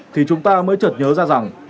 thì chúng ta mới chợt nhớ ra rằng